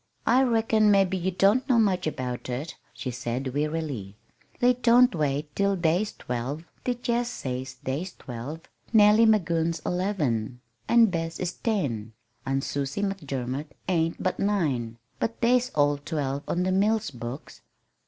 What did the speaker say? "I reckon mebbe ye don't know much about it," she said wearily. "They don't wait till they's twelve. They jest says they's twelve. Nellie Magoon's eleven, an' Bess is ten, an' Susie McDermot ain't but nine but they's all twelve on the mill books.